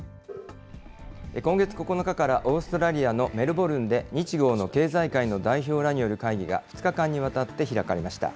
今月９日から、オーストラリアのメルボルンで日豪の経済界の代表らによる会議が、２日間にわたって開かれました。